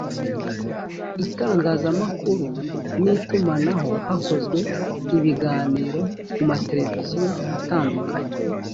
itangazamakuru n itumanaho hakozwe ibiganiro ku ma televiziyo atandukanye